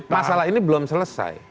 masalah ini belum selesai